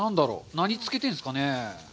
何漬けてんですかね。